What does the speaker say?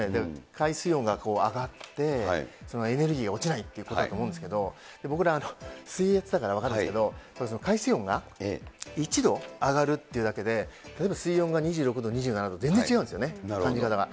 海水温が上がって、エネルギーが落ちないということだと思うんですけど、僕ら、水泳やってたから分かるんですけど、海水温が１度上がるっていうだけで例えば水温が２６度、２７度、全然違うんですよね、感じ方が。